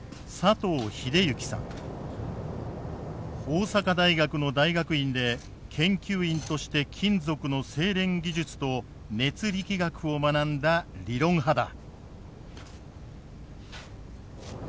大阪大学の大学院で研究員として金属の精錬技術と熱力学を学んだ理論派だ。